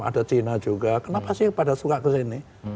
ada cina juga kenapa sih pada suka ke sini